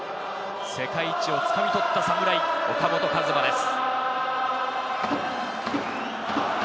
世界一を掴み取った侍・岡本和真です。